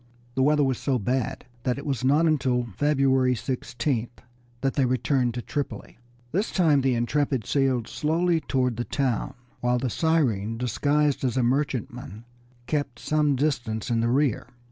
The weather was so bad that it was not until February 16th that they returned to Tripoli. This time the Intrepid sailed slowly toward the town, while the Siren, disguised as a merchantman, kept some distance in the rear.